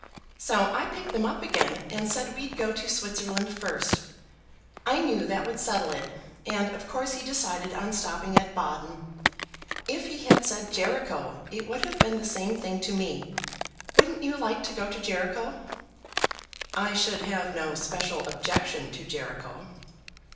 So I picked them up again, and said we'd go to Switzerland first. I knew that would settle it, and of course he decided on stopping at Baden. If he had said Jericho, it would have been the same thing to me. Wouldn't you like to go to Jericho?" "I should have no special objection to Jericho."